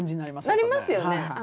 なりますよね。